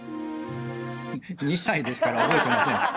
２歳ですから覚えてません。